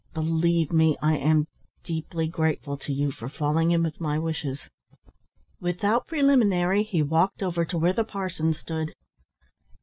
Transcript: "Believe me, I am deeply grateful to you for falling in with my wishes." Without preliminary he walked over to where the parson stood.